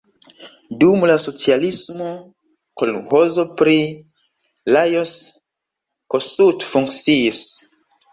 Dum la socialismo kolĥozo pri Lajos Kossuth funkciis.